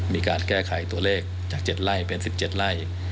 มีการแก้ไขตัวเลขจาก๗ไร่เป็น๑๗ไร่